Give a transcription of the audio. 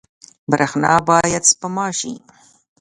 برښنا باید سپما شي